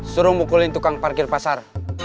suruh mukulin tukang parkir pasar